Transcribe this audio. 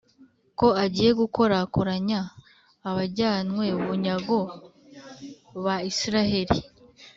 ko agiye gukorakoranya abajyanywe bunyago ba Israheli,